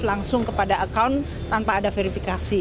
langsung kepada account tanpa ada verifikasi